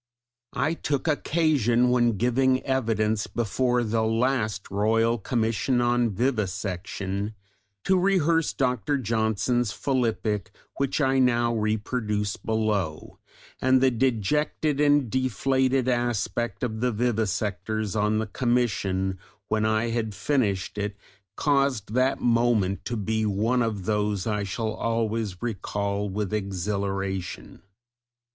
I took occasion when giving evidence before the last Royal Commission on Vivisection to rehearse Dr. Johnson's philippic which I now reproduce below, and the dejected and deflated aspect of the vivisectors on the commission when I had finished it caused that moment to be one of those I shall always recall with exhilaration!